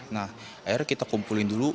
nah akhirnya kita kumpulin dulu